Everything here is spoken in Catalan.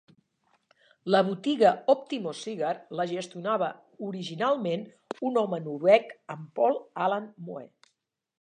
La botiga Optimo Cigar la gestionava originalment un home noruec, en Paul Alan Moe.